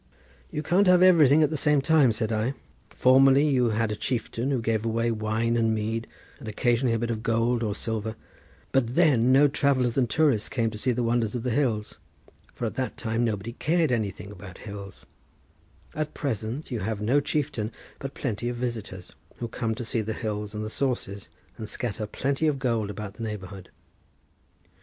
"You can't have everything at the same time," said I: "formerly you had a chieftain who gave away wine and mead, and occasionally a bit of gold or silver, but then no travellers and tourists came to see the wonders of the hills, for at that time nobody cared anything about hills; at present you have no chieftain, but plenty of visitors who come to see the hills and the sources and scatter plenty of gold about the neighbourhood."